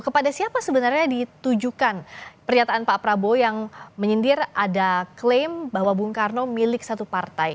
kepada siapa sebenarnya ditujukan pernyataan pak prabowo yang menyindir ada klaim bahwa bung karno milik satu partai